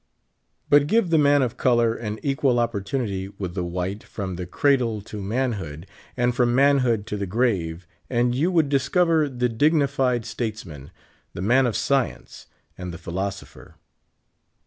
But give the man of color an equal opportunity with the white from the cradle to man hood, and from manhood to the grave, and you would discover the dignified statesman, the man of science, and the philosopher.